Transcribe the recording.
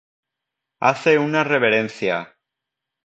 Hace una reverencia